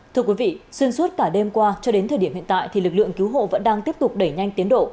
thưa quý vị xuyên suốt cả đêm qua cho đến thời điểm hiện tại lực lượng cứu hộ vẫn đang tiếp tục đẩy nhanh tiến độ